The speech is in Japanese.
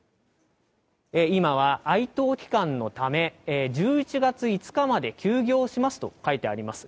今は哀悼期間のため、１１月５日まで休業しますと書いてあります。